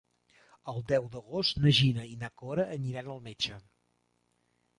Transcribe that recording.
El deu d'agost na Gina i na Cora aniran al metge.